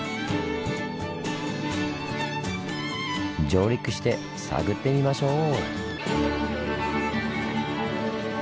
上陸して探ってみましょう！